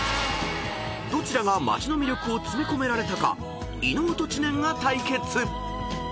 ［どちらが街の魅力を詰め込められたか伊野尾と知念が対決！］